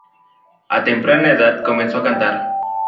A temprana edad comenzó a cantar.